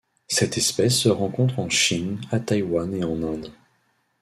Cette espèce se rencontre en Chine, à Taïwan et en Inde.